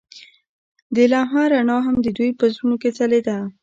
د لمحه رڼا هم د دوی په زړونو کې ځلېده.